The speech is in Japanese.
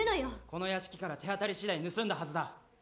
この屋敷から手当たりしだい盗んだはずだ